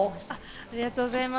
ありがとうございます。